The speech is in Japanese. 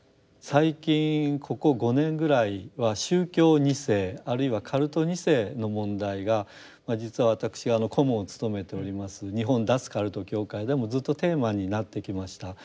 最近ここ５年ぐらいは宗教２世あるいはカルト２世の問題が実は私顧問を務めております日本脱カルト協会でもずっとテーマになってきました。